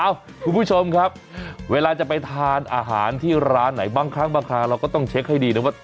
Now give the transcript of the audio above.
คุณผู้ชมครับเวลาจะไปทานอาหารที่ร้านไหนบางครั้งบางคราวเราก็ต้องเช็คให้ดีนะว่า